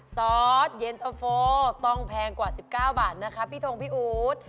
ซอสเย็นตะโฟต้องแพงกว่า๑๙บาทนะคะพี่ทงพี่อู๊ด